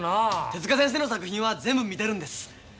手先生の作品は全部見てるんです。